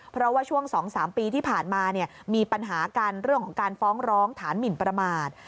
เพราะว่าช่วง๒๓ปีที่ผ่านมามีปัญหากันเรื่องของการฟ้องร้องฐานหมินประมาท